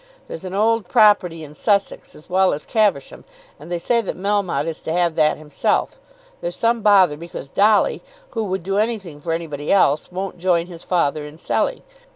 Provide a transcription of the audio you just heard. There's an old property in Sussex as well as Caversham, and they say that Melmotte is to have that himself. There's some bother because Dolly, who would do anything for anybody else, won't join his father in selling.